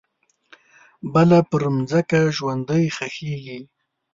بله پرمځکه ژوندۍ ښخیږې